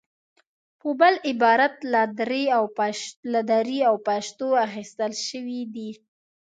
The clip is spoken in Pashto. په بل عبارت له دري او پښتو اخیستل شوې دي.